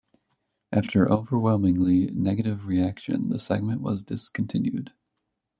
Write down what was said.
After overwhelmingly negative reaction, the segment was discontinued.